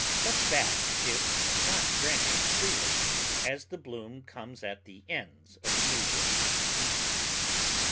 Cut back if not branching freely, as the bloom comes at the ends of the new growth.